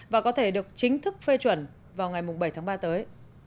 và có thể được chính thức phê chuẩn vào ngày bảy tháng ba tới